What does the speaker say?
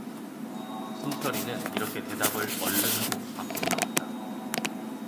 신철이는 이렇게 대답을 얼른 하고 밖으로 나왔다.